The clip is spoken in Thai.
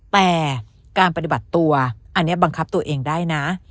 แต่การปฏิบัติตัวอันนี้บังคับตัวเองได้นะ